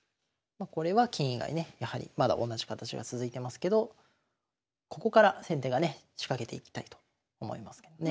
これは金以外ねやはりまだ同じ形が続いてますけどここから先手がね仕掛けていきたいと思いますけどね。